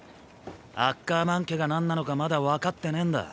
アッカーマン家が何なのかまだわかってねぇんだ。